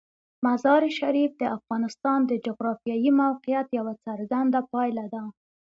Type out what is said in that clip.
مزارشریف د افغانستان د جغرافیایي موقیعت یوه څرګنده پایله ده.